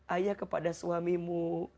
ayah kepada suamimu